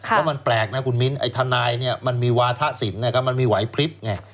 เพราะมันแปลกนะคุณมิ้นไอ้ทนายเนี่ยมันมีวาทะสินนะครับมันมีไหวพลิบไง